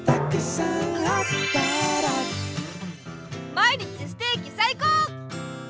毎日ステーキ！さいこう！